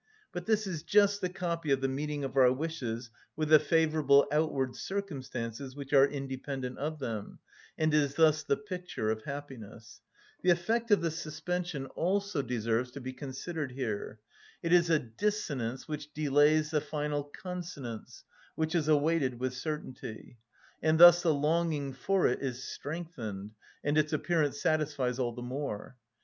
But this is just the copy of the meeting of our wishes with the favourable outward circumstances which are independent of them, and is thus the picture of happiness. The effect of the suspension also deserves to be considered here. It is a dissonance which delays the final consonance, which is awaited with certainty; and thus the longing for it is strengthened, and its appearance satisfies all the more.